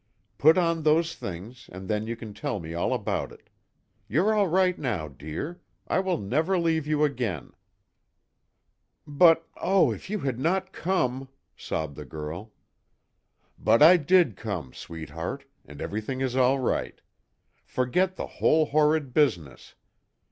"Put on those things, and then you can tell me all about it. You're all right now, dear. I will never leave you again." "But oh, if you had not come!" sobbed the girl. "But, I did come, sweetheart and everything is all right. Forget the whole horrid business.